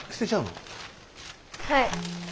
はい。